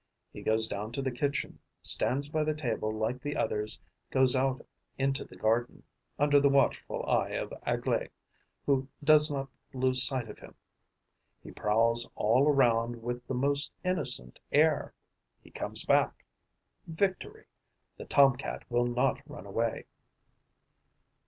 He goes down to the kitchen, stands by the table like the others, goes out into the garden, under the watchful eye of Aglae, who does not lose sight of him; he prowls all around with the most innocent air. He comes back. Victory! The Tom cat will not run away.